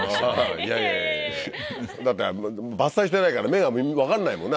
いやいやいやだって伐採してないから目が分かんないもんね